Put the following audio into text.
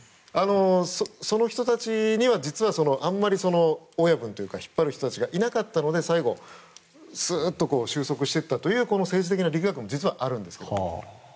その人たちには実はあまり親子というか引っ張る人たちがいなかったので最後すっと収束していったという政治的な力学も実はあるんですね。